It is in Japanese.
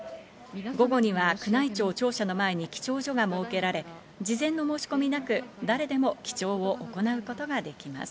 午後には宮内庁庁舎の前に記帳所が設けられ、事前の申し込みなく誰でも記帳を行うことができます。